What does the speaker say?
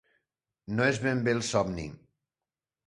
No és ben bé el somni.